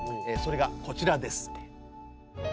それがこちらです。